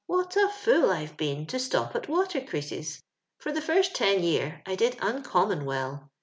What a fool I've been to stop at water creases !*' For the first ten year I did uncommon well.